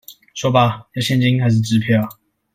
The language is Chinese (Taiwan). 說吧，要現金還是支票？